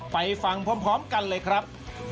ไปฟังพร้อมกันเลยครับ